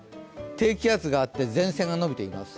低気圧があって、前線が延びています。